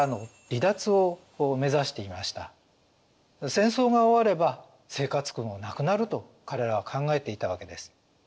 戦争が終われば生活苦もなくなると彼らは考えていたわけです。